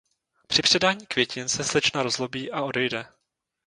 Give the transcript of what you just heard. Při předání květin se slečna rozzlobí a odejde.